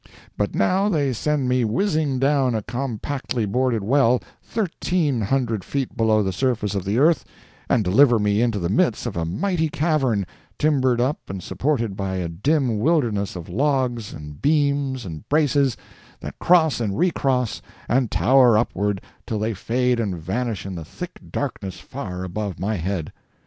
But now they send me whizzing down a compactly boarded well, thirteen hundred feet below the surface of the earth, and deliver me into the midst of a mighty cavern, timbered up and supported by a dim wilderness of logs and beams and braces that cross and recross and tower upward till they fade and vanish in the thick darkness far above my head.